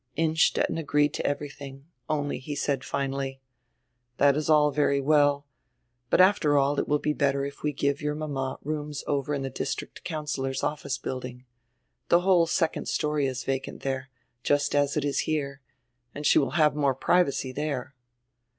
Innstetten agreed to everything, only he said finally: "That is all very well. But after all it will he hetter if we give your mama rooms over in die district councillor's office huilding. The whole second story is vacant diere, just as it is here, and she will have more privacy there."